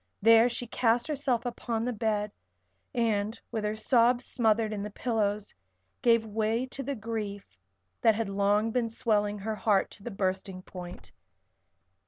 There she cast herself upon the bed and, with her sobs smothered in the pillows, gave way to the grief that had long been swelling her heart to the bursting point.